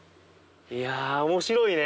．いや面白いね。